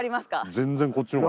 全然こっちの方が。